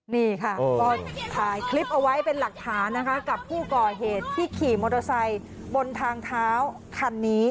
นี่ค่ะก็ถ่ายคลิปเอาไว้เป็นหลักฐานนะคะกับผู้ก่อเหตุที่ขี่มอเตอร์ไซค์บนทางเท้าคันนี้